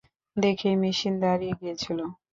দেখেই মেশিন দাড়িয়ে গিয়েছিল।